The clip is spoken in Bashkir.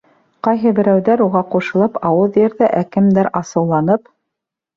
Ҡайһы берәүҙәр, уға ҡушылып, ауыҙ йырҙы, ә кемдер асыуланып: